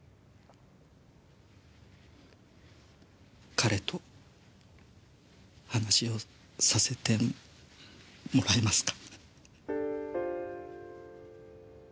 彼と話をさせてもらえますか？